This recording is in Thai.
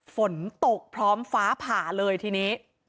ฝนตกพร้อมฟ้าผ่าเลยทีนี้